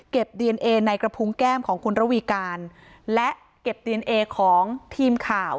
ดีเอนเอในกระพุงแก้มของคุณระวีการและเก็บดีเอนเอของทีมข่าว